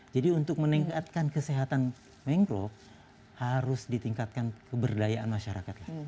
jadi untuk meningkatkan kesehatan mangrove harus ditingkatkan keberdayaan masyarakat